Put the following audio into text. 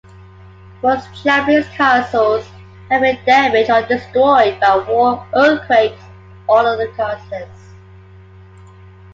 Most Japanese castles have been damaged or destroyed by war, earthquakes, or other causes.